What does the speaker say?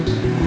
aku mau nunggu